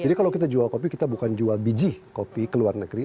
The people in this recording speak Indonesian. jadi kalau kita jual kopi kita bukan jual biji kopi ke luar negeri